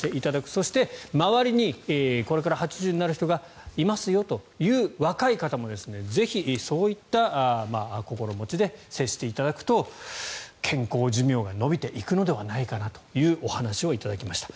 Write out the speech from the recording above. そして、周りにこれから８０になる人がいますよという若い方もぜひそういった心持ちで接していただくと健康寿命が延びていくのではないかなというお話をいただきました。